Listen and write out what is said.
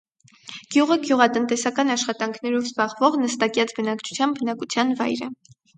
Գյուղը գյուղատնտեսական աշխատանքներով զբաղվող նստակյաց բնակչության բնակության վայր է։